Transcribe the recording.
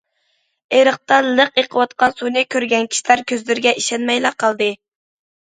ئېرىقتا لىق ئېقىۋاتقان سۇنى كۆرگەن كىشىلەر كۆزلىرىگە ئىشەنمەيلا قالدى.